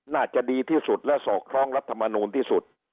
น่าจะดีที่สุดและสอดคล้องรัฐมนูลที่สุด